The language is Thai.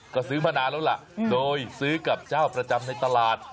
ก็ซื้อมานานแล้วล่ะโดยซื้อกับเจ้าประจำในตลาด